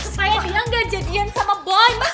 supaya dia gak jadian sama boy mas